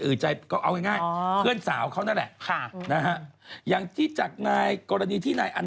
รักที่ถูกยิง